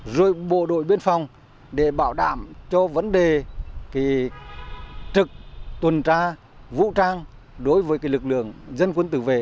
rồi bộ đội biên phòng để bảo đảm cho vấn đề trực tuần tra vũ trang đối với lực lượng dân quân tử vệ